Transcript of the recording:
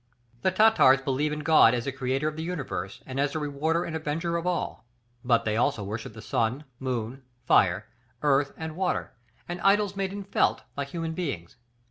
"The Tartars believe in God as the Creator of the universe and as the Rewarder and Avenger of all, but they also worship the sun, moon, fire, earth, and water, and idols made in felt, like human beings.